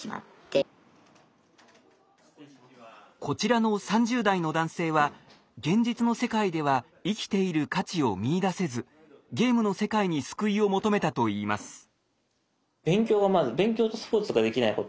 こちらの３０代の男性は現実の世界では生きている価値を見いだせずゲームの世界に救いを求めたといいます。